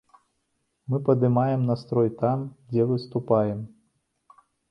Мы падымаем настрой там, дзе выступаем.